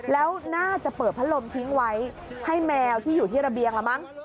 แล้วน่าจะเปิดพัดลมทิ้งไว้ให้แมวที่อยู่ที่ระเบียงละมั้ง